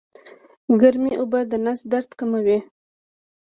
ګرمې اوبه د نس درد کموي